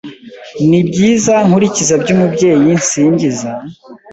N'ibyiza nkurikiza By'Umubyeyi nsingiza;